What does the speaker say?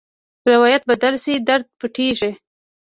روایت بدل شي، درد پټېږي.